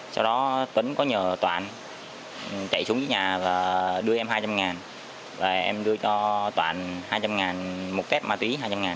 sau đó tấn có nhờ toàn chạy xuống dưới nhà và đưa em hai trăm linh em đưa cho toàn hai trăm linh một phép ma túy hai trăm linh